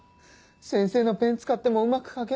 先生のペン使ってもうまく描けない。